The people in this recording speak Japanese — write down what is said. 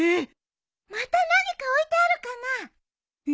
また何か置いてあるかな。